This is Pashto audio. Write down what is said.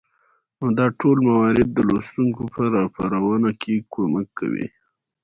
نو دا ټول موارد د لوستونکى په راپارونه کې کمک کوي